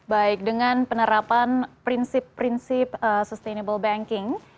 baik dengan penerapan prinsip prinsip sustainable banking